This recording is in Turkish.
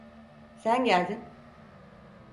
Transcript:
Sen geldin.